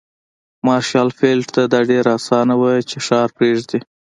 مارشال فيلډ ته دا ډېره اسانه وه چې ښار پرېږدي.